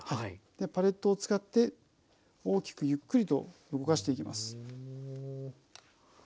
パレットを使って大きくゆっくりと動かしていきます。